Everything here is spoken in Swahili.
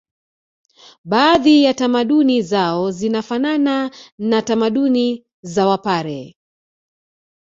Baadhi ya tamaduni zao zinafanana na tamaduni za wapare